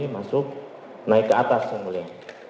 masuk naik ke atas yang mulia